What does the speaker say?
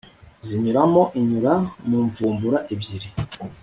zinyuramo inyura mu mvubura ebyiri